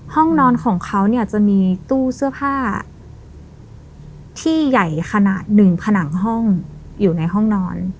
ห้องนอนของเขาเนี่ยจะมีตู้เสื้อผ้าที่ใหญ่ขนาดหนึ่งผนังห้องอยู่ในห้องนอน